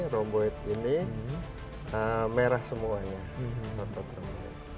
rhomboid ini merah semuanya ototnya